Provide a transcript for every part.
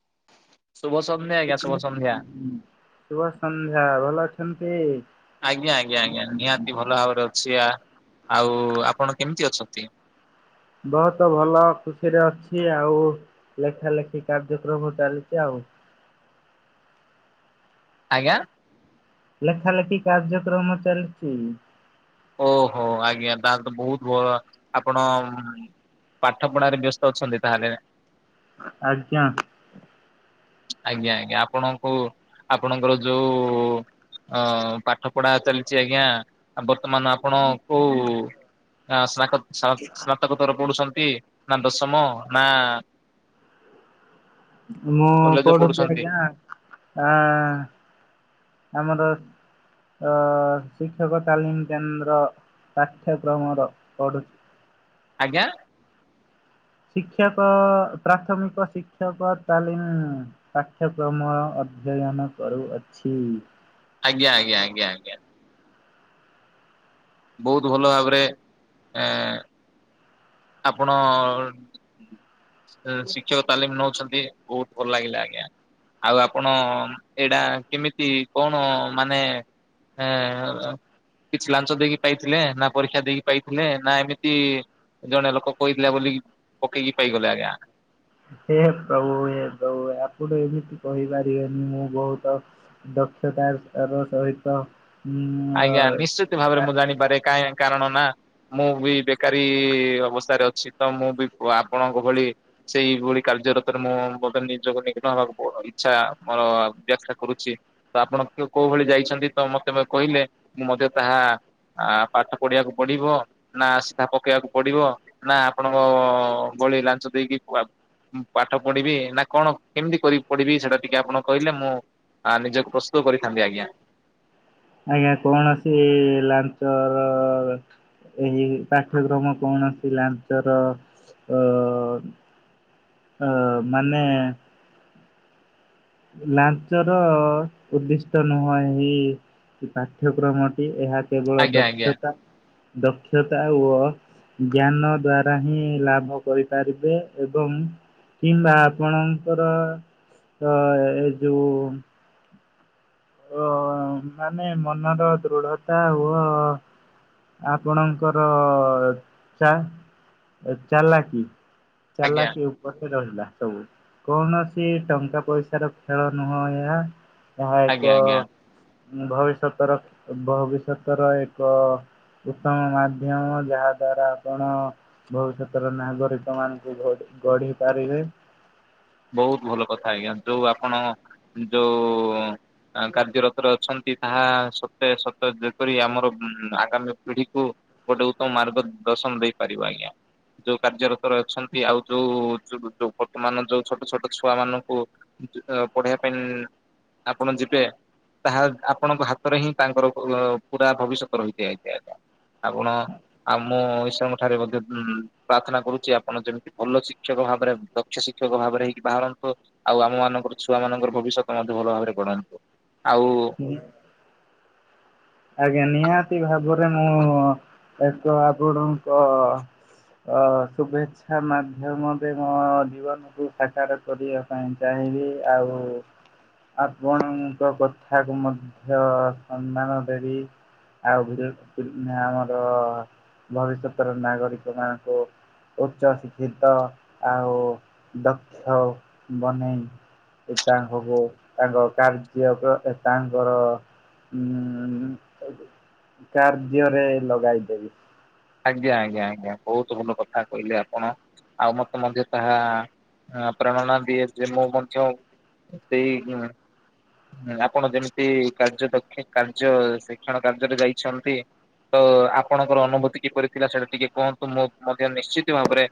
[inaudible] ସନ୍ଧ୍ୟା ଆଜ୍ଞା ଶୁଭ ସନ୍ଧ୍ୟା। ଶୁଭ ସନ୍ଧ୍ୟା ଭଲ ଅଛନ୍ତି? ଆଜ୍ଞା ଆଜ୍ଞା ଆଜ୍ଞା ନିହାତି ଭଲ ଭାବରେ ଅଛି ଆ ଆଉ ଆପଣ କେମତି ଅଛନ୍ତି? ବହୁତ ଭଲ। ଖୁସିରେ ଅଛି ଆଉ ଲେଖା ଲେଖି କାର୍ଯ୍ୟକ୍ରମ ଚାଲିଚି ଆଉ। [inaudible] ଆଜ୍ଞା। ଲେଖା ଲେଖି କାର୍ଯ୍ୟକ୍ରମ ଚାଲିଚି। ଓହୋ, ଆଜ୍ଞା ତାହେଲେ ତ ବହୁତ ଭଲ ଆପଣ ଉଁ ପାଠ ପଢାରେ ବ୍ୟସ୍ତ ଅଛନ୍ତି ତାହେଲେ ଆଜ୍ଞା। ଆଜ୍ଞା, ଆଜ୍ଞା ଆପଣ? ହୋ ଆପଣଙ୍କର ଯୋଉ ଅଁ ପାଠ ପଢା ଚାଲିଚି ଆଜ୍ଞା ଆବର୍ ମାନେ ଆପଣ କୋଉ, ନାଁ ସ୍ନାକତ୍ ସାନ୍ତ୍ ସ୍ନାତକୋତ୍ତର ପୋଡୁଛନ୍ତି? ନା, ଦଶମ ନା ମୁଁ କଲେଜ ପଢୁଚି ପଢୁଛନ୍ତି ଆଜ୍ଞା ଆଁ ଆମର ଅ ଶିକ୍ଷକ ତାଲିମ କେନ୍ଦ୍ର। ପାଠ୍ୟ କ୍ରମର ପଢୁଚି। ଆଜ୍ଞା। ଶିକ୍ଷକ, ପ୍ରାଥମିକ ଶିକ୍ଷକ ତାଲିମ୍ ପାଠ୍ୟକ୍ରମ ଅଛ୍ ଅଧ୍ୟୟନ କରୁଅଛି। ଆଜ୍ଞା ଆଜ୍ଞା ଆଜ୍ଞା ଆଜ୍ଞା। ବହୁତ ଭଲ ଭାବରେ ଏଁ ଆପଣଅ ଅ ଶିକ୍ଷକ ତାଲିମ ନଉଛନ୍ତି, ବହୁତ ଭଲ ଲାଗିଲା ଆଜ୍ଞା। ଆଉ ଆପଣ ଏଇଟା କେମିତି କଣ ମାନେ? ଏଁ ଆର୍ ଆର୍। କିଛି ଲାଞ୍ଚ ଦେଇକି ପାଇଥିଲେ ନା ପରୀକ୍ଷା ଦେଇକି ପାଇଥିଲେ ନା ଏମିତି ଜଣେ ଲୋକ କହିଥିଲା ବୋଲି ପକେଇକି ପାଇଗଲେ ଆଜ୍ଞା। ହେ ପ୍ରଭୁ ହେ ପ୍ରଭୁ ଆପଣ ଏମିତି କହିପାରିବେନି ମୁଁ ବହୁତ ଦକ୍ଷ୍ ସେ ତାର କାର୍ ର ସହିତ ଉଁ ଆଜ୍ଞା ନିଶ୍ଚିତ ଭାବରେ ଅ, ମୁଁ ଜାଣିପାରେ କାଁଇ କାରଣ ନା ମୁଁ ବି ବେକାରୀ ଅବସ୍ଥାରେ ଅଛି ତ ମୁଁ ବି ଆପଣଙ୍କ ଭଳି ସେଇଭଳି କାର୍ଯ୍ୟରତରେ ମୁଁ ବର୍ତ୍ତମାନ୍ ନିଜକୁ ନିଗ୍ନ ହେବାକୁ ପଡ୍ ଇଛା ମୋର ବ୍ୟାଖ୍ୟା କରୁଛି। ତ ଆପଣ କେ କୋଉ ଭଳି ଯାଇଛନ୍ତି ତ ମତେ କହିଲେ ମୁଁ ମଧ୍ୟ ତାହା ଆ ପାଠ ପଢିବାକୁ ପଡିବ ନା ସିଧା ପକେଇବାକୁ ପଡିବ ନା ଆପଣଙ୍କ ପଳେଇ ଲାଞ୍ଚ ଦେଇକି ଖୁଆମ୍ ପାଠ ପଢିବି ନା କଣ କେମିତି କରି ପଢିବି ସେଇଟା ଟିକେ ଆପଣ କହିଲେ ମୁଁ ଆ ନିଜକୁ ପ୍ରସ୍ତୁତ କରିଥାନ୍ତି ଆଜ୍ଞା। ଆଜ୍ଞା କୌଣସି ଲାଞ୍ଚର ଅ ଏହି ପାଠ୍ୟକ୍ରମ କୌଣସି ଲାଞ୍ଚର ଅ ଅ ମାନେ ଲାଞ୍ଚ ର ଉଦ୍ଦିଷ୍ଟ ନୁହଁ ଇଇଏ। ଏ ପାଠ୍ୟକ୍ରମଟି ଏହା କେବଳ ଆଜ୍ଞା ଆଜ୍ଞା ଦକ୍ଷତା, ଦକ୍ଷତା ଓ ଅ ଜ୍ଞାନ ଦ୍ଵାରା ହିଁ ଲାଭ କରିପାରିବେ ଏବଂ କିମ୍ବା ଆପଣଙ୍କର ଅ ଏ ଯୋଉ ଓ ଆମେ ମନର ଦୃଢତା ୱଅ ଆପଣଙ୍କର ଚା ଚାଲାକି ଆଜ୍ଞା। ଚାଲାକି ଉପରସେ ରହିଲା ସବୁ। କୌଣସି ଟଙ୍କା ପଇସାର ଖେଳ ନୁହଁ ଏହା। [unintelligible] ଆଜ୍ଞା ଆଜ୍ଞା। ମୁଁ ଭବିଷ୍ୟତର, ଭବିଷ୍ୟତର ଏକ ଅ ଉତ୍ତମ ମାଧ୍ୟମ ଯାହା ଦ୍ଵାରା ଆପଣ ଭବିଷ୍ୟତର ନାଗରିକ ମାନଙ୍କୁ ଭୋଟ୍ ଗଢି ପାରିବେ। ବହୁତ ଭଲ କଥା ଆଜ୍ଞା ଯୋଉ ଆପଣ ଯୋଉ ତାଙ୍କ କାର୍ଯ୍ୟରତରେ ଅଛନ୍ତି ତାହା ସତେ ସତେ ଯେପରି ଆମର ଆଗାମୀ ପିଢିକୁ ଗୋଟେ ଉତ୍ତମ ମାର୍ଗ ଦର୍ଶନ ଦେଇପାରିବ ଆଜ୍ଞା। ଯୋଉ କାର୍ଯ୍ୟରତରେ ଅଛନ୍ତି, ଆଉ ଯୋଉ ଯୋ-ଯୋ ବର୍ତ୍ତମାନ ଯୋଉ ଛୋଟ ଛୋଟ ଛୁଆମାନଙ୍କୁ ପଢେଇବା ପାଇଁ ଆପଣ ଯିବେ। ତାହା ଆପଣଙ୍କ ହାତରେ ହିଁ ତାଙ୍କର ପୁ-ପୁରା ଭବିଷ୍ୟତ ରହିଥାଏ ଆଜ୍ଞା। ଆପଣ ଆଉ ମୁଁ ଈଶ୍ୱରଙ୍କ ଠାରେ ମଧ୍ୟ ପ୍ରାର୍ଥନା କରୁଛି ଆପଣ ଯେମିତି ଭଲ ଶିକ୍ଷକ ଭାବରେ ଦକ୍ଷ ଶିକ୍ଷକ ଭାବରେ ହେଇକି ବାହାରନ୍ତୁ, ଆଉ ଆମ ମାନଙ୍କର ଛୁଆ ମାନଙ୍କର ଭବିଷ୍ୟତ ମଧ୍ୟ ଭଲ ଭାବରେ ଗଢ଼ାନ୍ତୁ। ଆଉ ଆଜ୍ଞା ନିହାତି ଭାବରେ ମୁଁ ଏକ ଆପଣଙ୍କ ଅ ଶୁଭେ୍ଛା ମାଧ୍ୟମରେ ମୋ ଜୀବନକୁୁ ସାକାର କରିବା ପାଇଁ ଚାହେଁ। ଆଉ ଆପଣଙ୍କ କଥାକୁ ମଧ୍ୟ ସମ୍ମାନ ଦେବି। ଆଉ ଆମର ଭବିଷ୍ୟତର ନାଗରିକ ମାନଙ୍କୁ ଉଚ୍ଚ ଶିକ୍ଷିତ ଆଉ ଦକ୍ଷ ବନେଇ ତାଙ୍କୁ ତାଙ୍କ କାର୍ଯ୍ୟ ତାଙ୍କର ଉଁ କାର୍ଯ୍ୟରେ ଲଗାଇଦେବି। ଆଜ୍ଞା ଆଜ୍ଞା ଆଜ୍ଞା, ବହୁତ ଭଲ କଥା କହିଲେ ଆପଣ ଆଉ ମତେ ମଧ୍ୟ ତାହା ଆଁ-ପ୍ରେରଣା ଦିଏ ଯେ ମୁଁ ମଧ୍ୟ ସେଇ ହଁ ଆପଣ ଯେମିତି କାର୍ଯ୍ୟ ଦକ୍ଷ କାର୍ଯ୍ୟ ଶିକ୍ଷଣ କାର୍ଯ୍ୟରେ ଯାଇଛନ୍ତି ତ ଆପଣଙ୍କର ଅନୁଭୂତି କି କରିଥିଲା ସେଟା ଟିକେ କୁହନ୍ତୁ, ମୁଁ ମଧ୍ୟ ନିଶ୍ଚିତ ଭାବରେ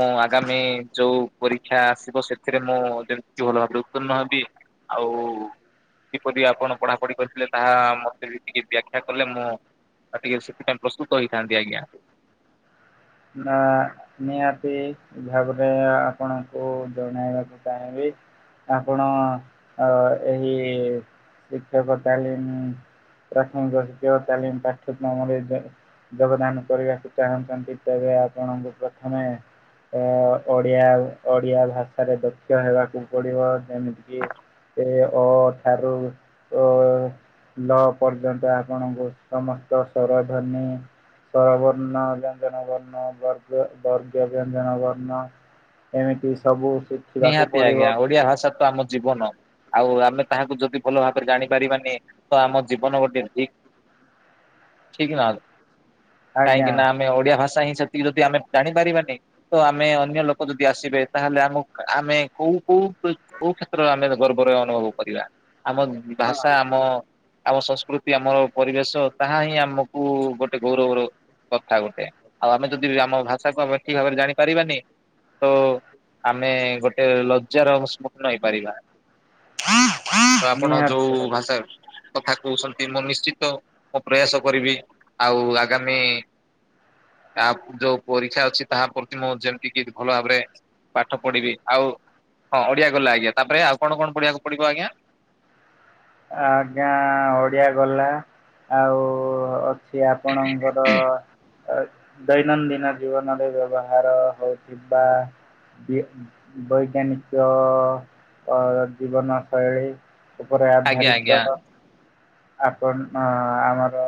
ମୁଁ ଆଗାମୀ ଯୋଉ ପରୀକ୍ଷା ଥିବ ସେଥିରେ ମୁଁ ଯେମିତି ଭଲ ଭାବରେ ଉତ୍ତୀର୍ଣ୍ଣ ହେବି ଆଉ କିପରି ଆପଣ ପଢାପଢି କରିଥିଲେ ତାହା ମତେ ବି ଟିକେ ବ୍ୟାଖ୍ୟା କଲେ ମୁଁ ଆଉ ଟିକେ ସେଥିପାଇଁ ପ୍ରସ୍ତୁତ ହେଇଥାନ୍ତି ଆଜ୍ଞା ନା ନିହାତି ଭାବରେ ଆପଣଙ୍କୁ ଜଣେଇବାକୁ ଚାହିଁବି। ଆପଣ ଏହି ଶିକ୍ଷକ ତାଲିମ ପ୍ରାଥମିକ ଶିକ୍ଷକ ତାଲିମ ପାଠ୍ୟକ୍ରମରେ ଯୋ-ଯୋଗଦାନ କରିବାକୁ ଚାହୁଁଛନ୍ତି। ତେବେ ଆପଣଙ୍କୁ ପ୍ରଥମେ ଅ ଓଡିଆ ଓଡିଆ ଭାଷାରେ ଦକ୍ଷ ହେବାକୁ ପଡିବ, ଯେମିତି କିି ତ ଅ ଠାରୁ ଓ ଲ ପର୍ଯ୍ୟନ୍ତ ଆପଣଙ୍କୁ ସମସ୍ତ ସ୍ଵରଧ୍ୱନୀ ସ୍ଵରବର୍ଣ୍ଣ ବ୍ୟଞ୍ଜନ ବର୍ଣ୍ଣ ବର୍ଗ-ବର୍ଗ ବ୍ୟଞ୍ଜନ ବର୍ଣ୍ଣ ଏମିତି ସବୁ ଶିଖିବାକୁ ନିହାତି ପଡ଼ିବ। ଆଜ୍ଞା, ଓଡିଆ ଭାଷା ତ ଆମ ଜୀବନ। ଆଉ ଆମେ ତାହାକୁ ଯଦି ଭଲ ଭାବରେ ଜାଣି ପାରିବାନି ତ ଆମ ଜୀବନ ଗୋଟେ ଧିକ୍। ଠିକ ନା, ଆଜ୍ଞା, କାହିଁକି ନା ଆମେ ଓଡିଆ ଭାଷା ହିଁ ସିଖିକି ଯଦି ଆମେ ଜାଣିପାରିବାନି ତ ଆମେ ଅନ୍ୟ ଲୋକ ଯଦି ଆସିବେ ତାହେଲେ ଆମକୁ ଆମେ କୋଉ-କୋଉ-କୋଉ କ୍ଷେତ୍ରରେ ଆମେ ଗର୍ବରେ ଅନୁଭବ କରିବା? ଆମ ହଁ ଭାଷା ଆମ ଆମ ସଂସ୍କୃତି, ଆମର ପରିବେଶ ତାହା ହିଁ ଆମକୁ ଗୋଟେ ଗୌରବର କଥା ଗୋଟେ, ଆଉ ଆମେ ଯଦି ଆମ ଭାଷାକୁ ଆମେ ଠିକ ଭାବରେ ଜାଣିପାରିବାନି ତ ଆମେ ଗୋଟେ ଲଜ୍ଜାର ସମ୍ମୁଖୀନ ହେଇପାରିବା। ତ ଆପଣ ନିହାତି ଯୋଉ ଭାବରେ। ଭାଷା କଥା କହୁଛନ୍ତି ମୁଁ ନିଶ୍ଚିତ ମୁଁ ପ୍ରୟାସ କରିବି, ଆଉ ଆଗାମୀ ତା ଯୋଉ ପରୀକ୍ଷା ଅଛି ତାହା ପ୍ରତି ମୁଁ ଯେମିତି କି ଭଲ ଭାବରେ ପାଠ ପଢିବି, ଆଉ ହଁ ଓଡିଆ ଗଲା ଆଜ୍ଞା, ତାପରେ ଆଉ କଣ କଣ ପଢିବାକୁ ପଡିବ ଆଜ୍ଞା? ଆଜ୍ଞା ଓଡିଆ ଗଲା, ଆଉ ସିଏ ଆପଣଙ୍କର ଦୈନନ୍ଦିନ ଜୀବନରେ ବ୍ୟବହାର ହଉଛି ବା ବି ବୈଜ୍ଞାନିକ ଅ ଜୀବନ ଶୈଳୀ ଉପରେ ଆଧାରିତ ଆଜ୍ଞା ଆପଣ ଅ ଆମର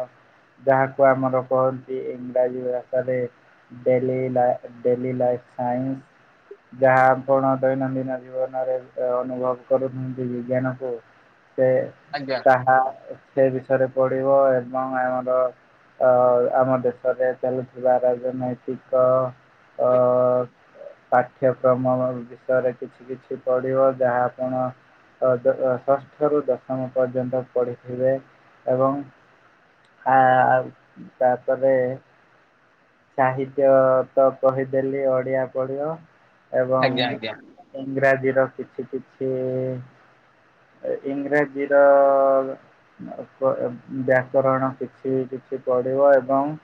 ଯାହାକୁ ଆମର କହନ୍ତି ଇଂରାଜୀ ଭାଷାରେ ଡେଲି ଲାଇ ଡେଲି ଲାଇ ସାଇନ୍ସ। ଯାହା ଆପଣ ଦୈନନ୍ଦିନ ଜୀବନରେ ଅନୁଭବ କରୁନ୍ତି ବିଜ୍ଞାନକୁ ସେ ଆଜ୍ଞା ତାହା ସେ ବିଷୟରେ ପଢିବ ଏବଂ ଆମର ଅ ଆମ ଦେଶରେ ଚାଲୁଥିବା ରାଜନୈତିକ ଅ ପାଠ୍ୟକ୍ରମ ବିଷୟରେ କିଛି କିଛି ପଢିବ ଯାହା ଆପଣ ଷଷ୍ଠରୁ ଦଶମ ପର୍ଯ୍ୟନ୍ତ ପଢ଼ିଥିବେ ଏବଂ ଆଉ ତାପରେ ସାହିତ୍ୟ ତ କହିଦେଲି ଓଡିଆ ପଢିବ ଏବଂ ଆଜ୍ଞା ଆଜ୍ଞା ଇଂରାଜୀର କିଛି କିଛି ଇଂରାଜୀର ବ୍ୟାକରଣ କିଛି କିଛି ପଡିବ ଏବଂ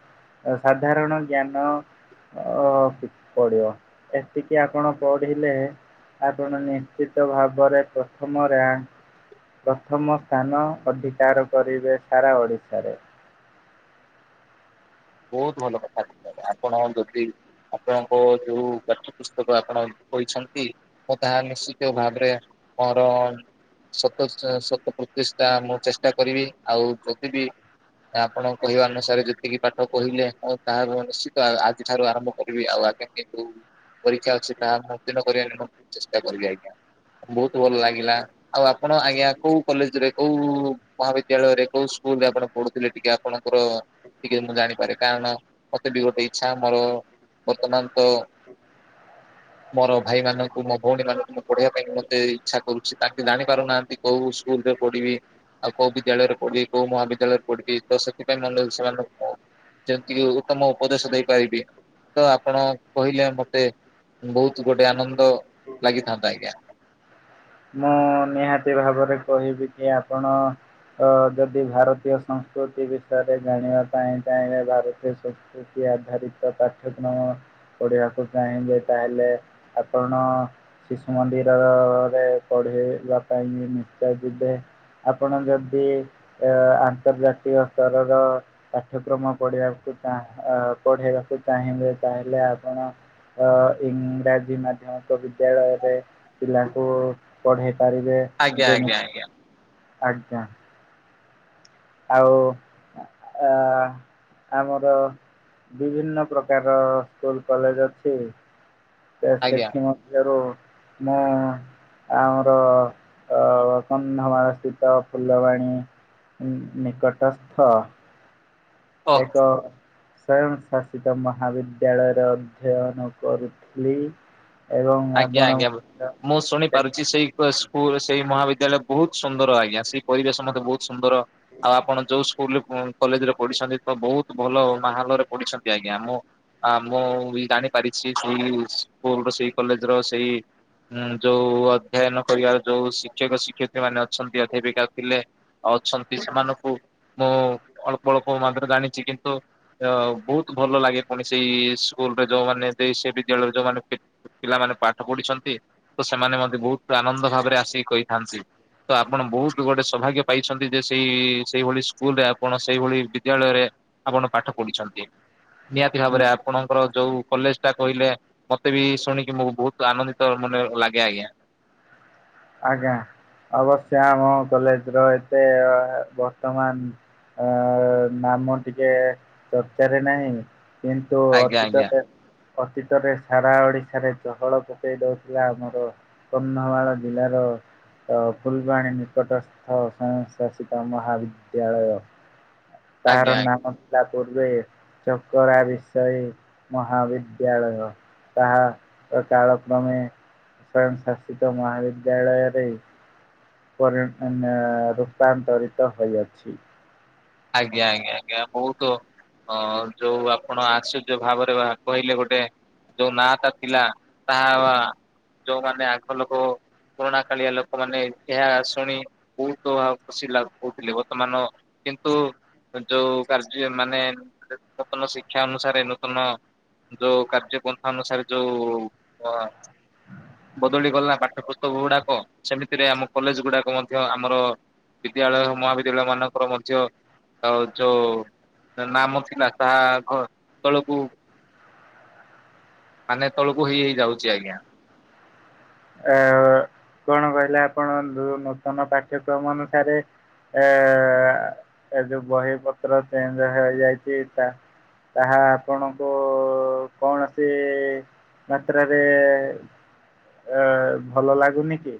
ସାଧାରଣ ଜ୍ଞାନ ଅ ପଢିବ ଏତିକି ଆପଣ ପଢିଲେ ଆପଣ ନିଶ୍ଚିତ ଭାବରେ ପ୍ରଥମରେ ରାଙ୍କ ପ୍ରଥମ ସ୍ଥାନ ଅଧିକାର କରିବେ ସାରା ଓଡ଼ିଶାରେ। [inaudible] ବହୁତ ଭଲ କଥା ଆପଣ ଯଦି ଆପଣଙ୍କ ଯୋଉ ପାଠ୍ୟ ପୁସ୍ତକ ଆପଣ କହିଛନ୍ତି ମୁଁ ତାହା ନିଶ୍ଚିତ ଭାବରେ। [unintelligible] ସତ ଶତ ପ୍ରତିଷ୍ଠା ମୁଁ ଚେଷ୍ଟା କରିବି ଆଉ ଯଦି ବିି ଆପଣଙ୍କ କହିବା ଅନୁସାରେ ଯେତିକି ପାଠ କହିଲେ ହଁ ତା ମୁଁ ନିଶ୍ଚିତ ଆଜିଠାରୁ ଆରମ୍ଭ କରିବି ଆଉ ଆଗ କିନ୍ତୁ ପରୀକ୍ଷା ଅଛି ତା ମୁତନ କରିବା ମୁଁ ଚେଷ୍ଟା କରିବି ଆଜ୍ଞା। ବହୁତ ଭଲ ଲାଗିଲା ଆଉ ଆପଣ ଆଜ୍ଞା କୋଉ କଲେଜରେ କୋଉ ମହାବିଦ୍ୟାଳୟରେ କୋଉ ଶ୍କୁ କୋଉଠି ଆପଣ ପଢୁଥିଲେ ଟିକେ ଆପଣଙ୍କର ଟିକେ ମୁଁ ଜାଣିପାରେ କାରଣ ମତେ ବି ଗୋଟେ ଇଚ୍ଛା ମୋର ବର୍ତ୍ତମାନ ତ [inaudible] ମୋର ଭାଇ ମାନଙ୍କୁ ମୋ ଭଉଣୀ ମାନଙ୍କୁ ମୁଁ ପଢିବା ପାଇଁ ମୋତେ ଇଚ୍ଛା କରୁଛି ତା ଜାଣି ପାରୁନାହାନ୍ତି କୋଉ ସ୍କୁଲ ପଢିବି ଆଉ କୋଉ ବିଦ୍ୟାଳୟରେ ପଢିବି କୋଉ ମହାବିଦ୍ୟାଳୟରେ ପଢ଼ିବି ତ ସେଥିପାଇଁ ମନ ସେମାନଙ୍କୁ ଯେମିତିକି ଉତ୍ତମ ଉପଦେଶ ଦେଇପାରିବି ତ ଆପଣ କହିଲେ ମତେ ବହୁତ ଗୋଟେ ଆନନ୍ଦ ଲାଗିଥାନ୍ତା ଆଜ୍ଞା। ମୁଁ ନିହାତି ଭାବରେ କହିବି କି ଆପଣ ଯଦି ଭାରତୀୟ ସଂସ୍କୃତି ବିଷୟରେ ଜାଣିବା ପାଇଁ ଚାହିଁବେ ଭାରତୀୟ ସଂସ୍କୃତି ଆଧାରିତ ପାଠ୍ୟକ୍ରମ ପଢ଼ିବାକୁ ଚାହିଁବେ ତାହେଲେ ଆପଣ ଶିଶୁ ମନ୍ଦିରରରେ ପଢେଇବା ପାଇଁ ନିଶ୍ଚୟ ଯିବେ। ଆପଣ ଯଦି ଆ ଆନ୍ତର୍ଜାତିକ ସ୍ତରର ପାଠ୍ୟକ୍ରମ ପଢେଇବାକୁ ପଢେଇବାକୁ ଚାହିଁବେ ତାହେଲେ ଆପଣ ଇଂରାଜୀ ମାଧ୍ୟମିକ ବିଦ୍ୟାଳୟରେ ପିଲାଙ୍କୁ ପଢେଇ ପାରିବେ ଆଜ୍ଞା ଆଜ୍ଞା ଆଜ୍ଞା। ଯେମତି ଆଜ୍ଞା। ଆଉ ଅ ଆମର ବିଭିନ୍ନ ପ୍ରକାର ସ୍କୁଲ କଲେଜ ଅଛି। ତ ଆଜ୍ଞା। ସେଥି ମଧ୍ୟରୁ ମୁଁ ଆମର କନ୍ଧମାଳ ସ୍ଥିତ ଫୁଲବାଣୀ ନିକଟସ୍ଥ ଓହ ଏକ ସ୍ୱୟଂ ଶାସିତ ମହାବିଦ୍ୟାଳୟରେ ଅଧ୍ୟୟନ କରୁଥିଲି। ଏବଂ ଆଜ୍ଞା ଆପଣ ଆଜ୍ଞା ମୁଁ ଶୁଣି ପାରୁଛି ସେଇ ସ୍କୁଲ ସେଇ ମହାବିଦ୍ୟାଳୟ ବହୁତ ସୁନ୍ଦର ଆଜ୍ଞା ସେଇ ପରିବେଶ ମତେ ବହୁତ ସୁନ୍ଦର ଆଉ ଆପଣ ଯୋଉ ସ୍କୁଲରେ କଲେଜରେ ପଢିଛନ୍ତି ତ ବହୁତ ଭଲ ମାହଲରେ ପଢିଛନ୍ତି ଆଜ୍ଞା ମୁଁ ହଁ ମୁଁ ବି ଜାଣି ପାରିଛି ସେଇ ସ୍କୁଲ ସେଇ କଲେଜ ର ସେଇ ଉଁ ଯୋଉ ଅଧ୍ୟୟନ କରିବାର ଯୋଉ ଶିକ୍ଷକ ଶିକ୍ଷୟିତ୍ରୀ ମାନେ ଅଛନ୍ତି ଅଧାପିକା ଥିଲେ ଅଛନ୍ତି ସେମାନଙ୍କୁ ମୁଁ ଅଳ୍ପ ଅଳ୍ପ ମାତ୍ର ଜାଣିଛି କିନ୍ତୁ ଅ ବହୁତ ଭଲ ଲାଗେ କୌଣସିଇ ସ୍କୁଲରେ ଯୋଉମାନେ ସେ ବିଦ୍ୟାଳୟ ଯଉ ମମାନେ ପିଲାମାନେ ପାଠ ପଢିଛନ୍ତି ତ ସେମାନେ ମଧ୍ୟେ ବହୁତ ଆନନ୍ଦ ଭାବରେ ଆସିକି କହିଥାନ୍ତି ତ ଆପଣ ବହୁତ ଗୋଟେ ସୌଭାଗ୍ୟ ପାଇଛନ୍ତି ଯେ ସେଇ ସେଇଭଳି ସ୍କୁଲ ରେ ଆପଣ ସେଇଭଳି ବିଦ୍ୟାଳୟରେ ଆପଣ ପାଠ ପଢିଛନ୍ତି ନିହାତି ଭାବରେ ଆପଣଙ୍କର ଯୋଉ କଲେଜ ଟା କହିଲେ ମତେ ବି ଶୁଣି ମୁ ବହୁତ ଆନନ୍ଦିତ ମନେ ଲାଗେ ଆଜ୍ଞା ଆଜ୍ଞା ଅବଶ୍ୟମ କଲେଜ ର ଏତେ ବର୍ତ୍ତମାନ ଅ ନାମ ଟିକେ ଚର୍ଚ୍ଚାରେ ନାହିଁ କିନ୍ତୁ ଆଜ୍ଞା ଅତୀତ ଆଜ୍ଞା ଅତୀତରେ ସାରା ଓଡ଼ିଶାରେ ଚହଳ ପକେଇ ଦେଉଥିଲା ଆମର କନ୍ଧମାଳ ବିିଲ ର ଫୁଲବାଣୀ ନିକଟସ୍ଥ ସଵୟଂଶାସିତ ମହାବିଦ୍ୟାଳୟ ତାର ଆଜ୍ଞା ଆଜ୍ଞା। ନାମ ଥିଲା ପୂର୍ବେ ଚକରା ବିଷୟ ମହାବିଦ୍ୟାଳୟ ତାହା କାଳକ୍ରମେ ଶାସିତ ମହାବିଦ୍ୟାଳୟରେ ପରେ ରୂପାନ୍ତରିତ ହୋଇଅଛି ଆଜ୍ଞା ଆଜ୍ଞା ଆଜ୍ଞା ବହୁତ ହ ଯୋଉ ଆପଣ ଆଶ୍ଚର୍ଯ୍ୟ ଭାବରେ କହିଲେ ଗୋଟେ ଯୋଉ ନାଟା ଥିଲା ତାହା ଯୋଉମାନୋନ ଆଗ ଲୋକ ପୋରଣା କାଳିଆ ଲୋକମାନେ ଏହା ଶୁଣି ବହୁତ ଖୁସି ଲାଗଉଥିଲେ ବର୍ତ୍ତମାନ ଯୋଉ କାର୍ଯ୍ୟ ମାନେ ନୂତନ ଶିକ୍ଷା ଅନୁସାରେ ନୂତନ ଯୋଉ କାର୍ଯ୍ୟପନ୍ଥା ଅନୁସାରେ ଯୋଉ ଅ ବଦଳି ଗଲା ପାଠ୍ୟପୁସ୍ତକ ଗୁଡାକ ସେମିତିରେ ଆମ କଲେଜ ଗୁଡାକ ମଧ୍ୟ ଆମର ବିଦ୍ୟାଳୟ ମହାବିଦ୍ୟାଳୟ ମାନଙ୍କର ମ ଆଉ ଯୋଉ ନାମ ଥିଲା ତାହା ଘ ତଳକୁ ମାନେ ତଳକୁ ହେଇ ହେଇ ଯାଉଛି ଆଜ୍ଞା ଅ କଣ କହିଲା ଆପଣ ନୂତନ ପାଠ୍ୟକ୍ରମ ଅନୁସାରେ ଏ ଏ ଯୋଉ ବହି ପତ୍ର ଚେଞ୍ଜ ହେଇଯାଇଛି ତା ତାହା ଆପଣଙ୍କ କଣସି ମାତ୍ରାରେ ଅ ଭଲ ଲାଗୁନି କି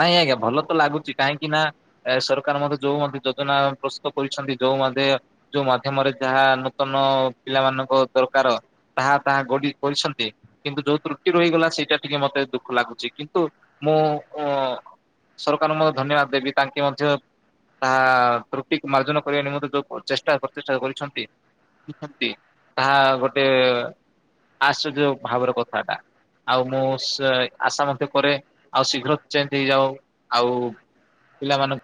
ନାଇଁ ଆଜ୍ଞା ଭଲ ତ ଲାଗୁଛି କାହିଁକି ନା ଏ ସରକାର ମଧ୍ୟ ଯୋଉ ଯୋଜନା ପ୍ରସ୍ତୁତ କରିଛନ୍ତି ଯୋଉ ମ ଯୋଉ ମାମରେ ଯାହା ନୂତନ ପିଲା ମାନଙ୍କ ଦରକାର ତାହା ତାହା ଗୋଡି କରିଛନ୍ତି କିନ୍ତୁ ଯୋଉ ତ୍ରୁଟି ରହିଗଲା ସେଇଟା ଟିକେ ମତେ ଦୁଃଖ ଲାଗୁଛି କିନ୍ତୁ ମୁଁ ଓ ସରକାରଙ୍କୁ ମ ଧନ୍ୟବାଦ ଦେବି ତାଙ୍କେ ମଧ୍ୟ ତାହା ତ୍ରୁଟି ମାର୍ଜନ କରିବା ନିମନ୍ତେ ଯୋଉ ଚେଷ୍ଟା ପ୍ରତିଷ୍ା କରିଛନ୍ତି ତାହା ଗୋଟେ ଆଶ୍ଚର୍ଯ୍ୟ ଭାବର କଥାଟା ଆଉ ମୁଁ ଆଶା ମତେ କରେ ଆଉ ଶୀଘ୍ର ଚେଞ୍ଜ ହେଇଯାଉ ଆଉ ପିଲାମାନଙ୍କୁ